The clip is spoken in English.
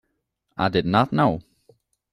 I did not know.